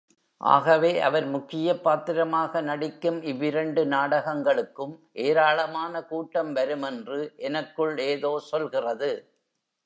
ஆகவே, அவர் முக்கியப் பாத்திரமாக நடிக்கும் இவ்விரண்டு நாடகங்களுக்கும் ஏராளமான கூட்டம் வரும் என்று எனக்குள் ஏதோ சொல்கிறது.